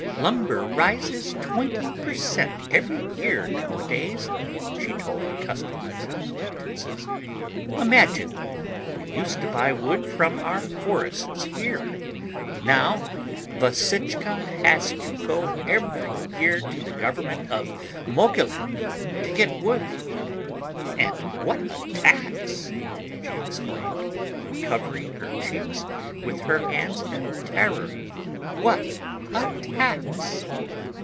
"Lumber rises twenty per cent every year nowadays," she told her customers and acquaintances. "Imagine, we used to buy wood from our forests here. Now Vasichka has to go every year to the government of Mogilev to get wood. And what a tax!" she exclaimed, covering her cheeks with her hands in terror. "What a tax!"